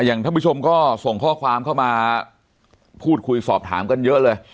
ท่านผู้ชมก็ส่งข้อความเข้ามาพูดคุยสอบถามกันเยอะเลย